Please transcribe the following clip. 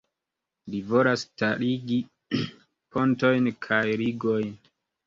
Li volas starigi pontojn kaj ligojn.